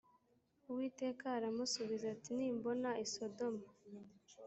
uwiteka aramusubiza ati nimbona i sodomu